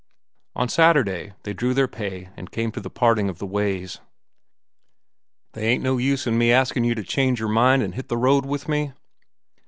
On Saturday they drew their pay and came to the parting of the ways. "They ain't no use in me askin' you to change your mind an' hit the road with me?"